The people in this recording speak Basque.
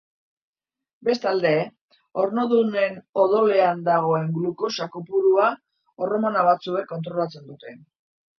Bestalde, ornodunen odolean dagoen glukosa kopurua hormona batzuek kontrolatzen dute.